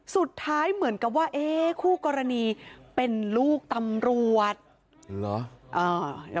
สุดท้ายเหมือนกับว่าคู่กรณีเป็นลูกตำรวจ